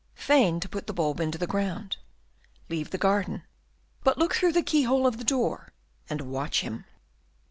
Feign to put the bulb into the ground; leave the garden, but look through the keyhole of the door and watch him."